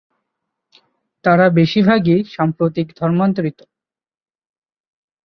তারা বেশিরভাগই সাম্প্রতিক ধর্মান্তরিত।